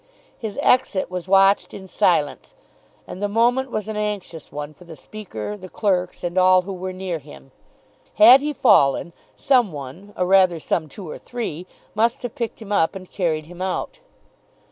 His exit was watched in silence, and the moment was an anxious one for the Speaker, the clerks, and all who were near him. Had he fallen some one, or rather some two or three, must have picked him up and carried him out.